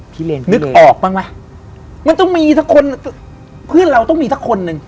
พิเลนนึกออกบ้างมั้ย